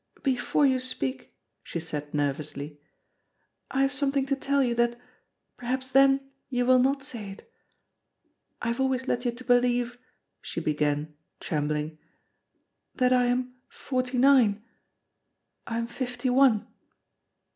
"Before you speak," she said, nervously, "I have something to tell you that perhaps then you will not say it. "I have always led you to believe," she began, trembling, "that I am forty nine. I am fifty one."